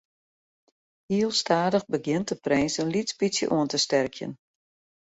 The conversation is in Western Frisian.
Heel stadich begjint de prins in lyts bytsje oan te sterkjen.